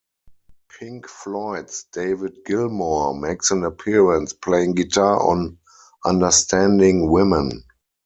Pink Floyd's David Gilmour makes an appearance playing guitar on "Understanding Women".